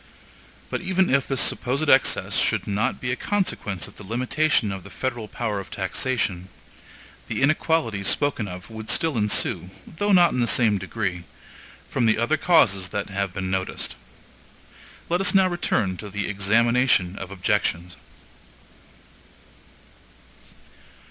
But even if this supposed excess should not be a consequence of the limitation of the federal power of taxation, the inequalities spoken of would still ensue, though not in the same degree, from the other causes that have been noticed. Let us now return to the examination of objections.